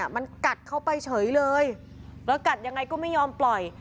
มันกัดเข้าไปเฉยเลยแล้วกัดยังไงก็ไม่ยอมปล่อย